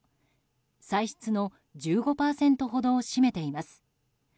歳出の１５％ほどを占めています。